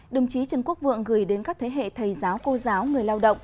đồng chí trần quốc vượng gửi đến các thế hệ thầy giáo cô giáo người lao động